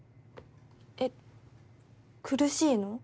え苦しいの？